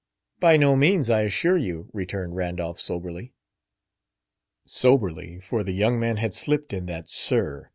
"By no means, I assure you," returned Randolph soberly. Soberly. For the young man had slipped in that "sir."